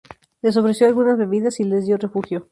Les ofreció algunas bebidas y les dio refugio.